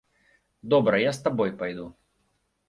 Добра, я з табой пайду.